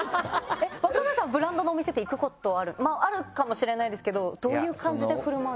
若林さんブランドのお店って行くことあるあるかもしれないですけどどういう感じで振る舞うんですか。